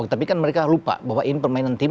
tapi kan mereka lupa bahwa ini permainan tim